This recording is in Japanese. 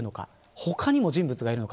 他にも人物がいるのか。